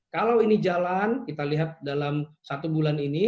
kalau ini jalan kita lihat dalam satu bulan ini